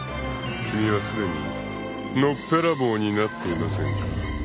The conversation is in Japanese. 君はすでにのっぺらぼうになっていませんか？］